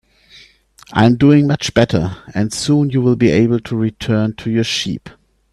I'm doing much better, and soon you'll be able to return to your sheep.